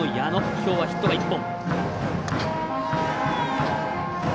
きょうはヒットが１本。